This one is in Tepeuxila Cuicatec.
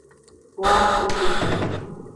Kuä kutu.